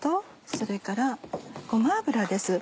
それからごま油です。